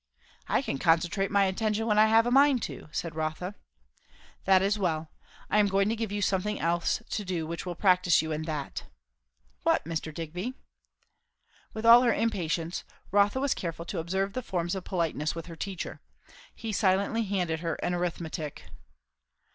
"I can concentrate my attention when I have a mind to," said Rotha. "That is well. I am going to give you something else to do which will practise you in that." "What, Mr. Digby?" With all her impatience Rotha was careful to observe the forms of politeness with her teacher. He silently handed her an arithmetic.